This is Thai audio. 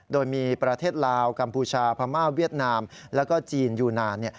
โดยมีประเทศลาวกัมพูชาพม่าเวียดนามแล้วก็จีนยูนาน